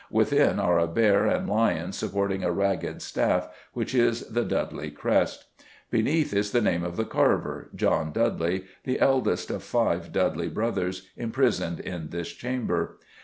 Within are a bear and lion supporting a ragged staff, which is the Dudley crest. Beneath is the name of the carver, John Dudley the eldest of five Dudley brothers imprisoned in this chamber.